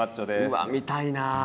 うわっ見たいなあ。